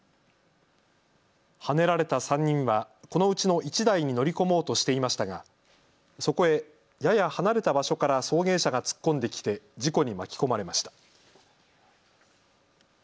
はねられた３人はこのうちの１台に乗り込もうとしていましたがそこへやや離れた場所から送迎車が突っ込んできて事故に巻き込まれました。